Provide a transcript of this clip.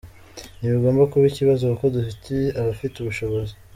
Ntibigomba kuba ikibazo kuko dufite abafite ubushobozi.